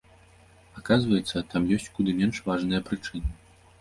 Аказваецца, там ёсць куды менш важныя прычыны.